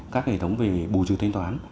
các hệ thống về bù trừ thanh toán